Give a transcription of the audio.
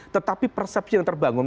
tetapi persepsi yang terbangun